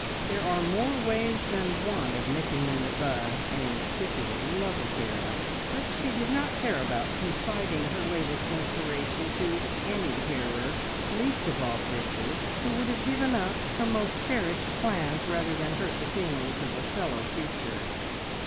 There are more ways than one of nipping in the bud an incipient love affair, but she did not care about confiding her latest inspiration to any hearer, least of all to Bridgie, who would have given up her most cherished plans rather than hurt the feelings of a fellow creature.